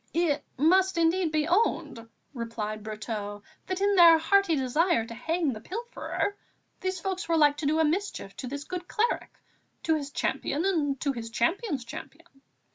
"It must indeed be owned," replied Brotteaux, "that in their hearty desire to hang the pilferer, these folks were like to do a mischief to this good cleric, to his champion and to his champion's champion.